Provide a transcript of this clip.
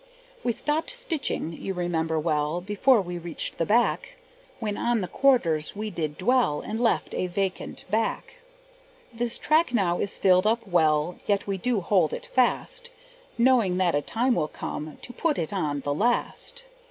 We stopped stitching, you remember well, Before we reached the back, When on the quarters we did dwell, And left a vacant track. That track now is filled up well, Yet we do hold it fast, Knowing that a time will come To put it on the last.